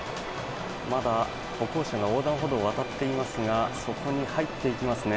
まだ歩行者が横断歩道を渡っていますがそこに入っていきますね。